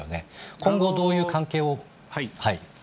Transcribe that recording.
今後はどういう関係を？